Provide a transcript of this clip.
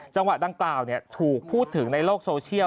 จังหวะดังกล่าวถูกพูดถึงในโลกโซเชียล